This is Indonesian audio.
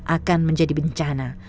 akan menjadi bencana